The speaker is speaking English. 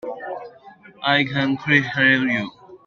I can't quite hear you.